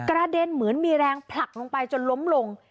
เด็นเหมือนมีแรงผลักลงไปจนล้มลง